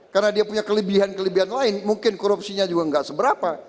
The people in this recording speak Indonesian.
karena dia punya kelebihan kelebihan lain mungkin korupsinya juga tidak seberapa